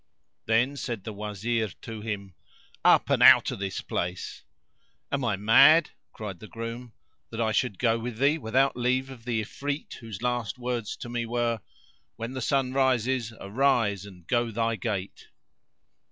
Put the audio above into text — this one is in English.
Then said the Wazir to him, "Up and out of this place!" "Am I mad," cried the groom, "that I should go with thee without leave of the Ifrit whose last words to me were:—"When the sun rises, arise and go thy gait."